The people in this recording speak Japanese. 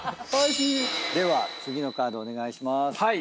では次のカードお願いします。